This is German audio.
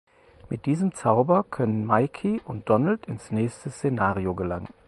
Mit diesem Zauber können Micky und Donald ins nächste Szenario gelangen.